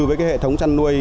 với cái hệ thống chăn nuôi